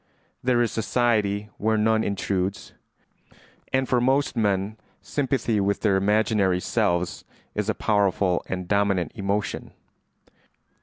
"There is society where none intrudes;" and for most men sympathy with their imaginary selves is a powerful and dominant emotion.